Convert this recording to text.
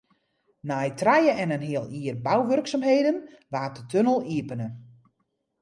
Nei trije en in heal jier bouwurksumheden waard de tunnel iepene.